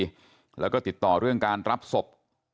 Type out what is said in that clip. เรื่องคดีแล้วก็ติดต่อเรื่องการรับศพ